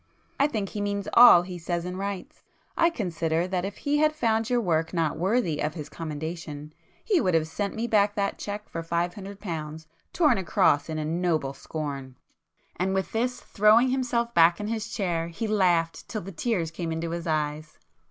I think he means all he says and writes. I consider that if he had found your work not worthy of his commendation, he would have sent me back that cheque for five hundred pounds, torn across in a noble scorn!" And with this, throwing himself back in his chair, he laughed till the tears came into his eyes.